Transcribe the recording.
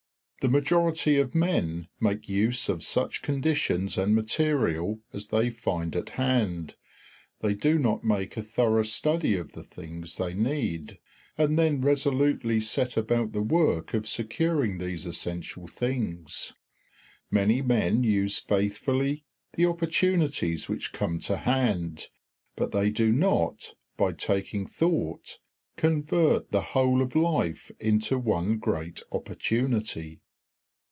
The majority of men make use of such conditions and material as they find at hand; they do not make a thorough study of the things they need, and then resolutely set about the work of securing these essential things. Many men use faithfully the opportunities which come to hand, but they do not, by taking thought, convert the whole of life into one great opportunity.